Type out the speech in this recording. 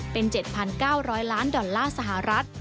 เป็น๗๙๐๐ล้านดอลลาร์สหรัฐ